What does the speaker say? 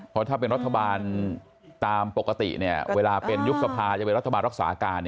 เพราะถ้าเป็นรัฐบาลตามปกติเวลาเป็นยุบสภาจะเป็นรัฐบาลรักษาการ